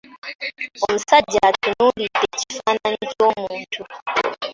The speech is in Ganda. Omusajja atunulidde ekifaananyi ky'omuntu.